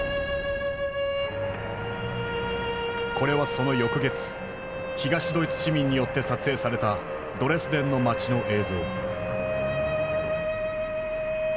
これはその翌月東ドイツ市民によって撮影されたドレスデンの街の映像。